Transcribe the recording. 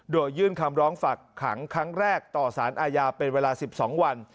โดยยื่นคำร้องฝักขังครั้งแรกต่อสารอาญาเป็นเวลา๑๒วัน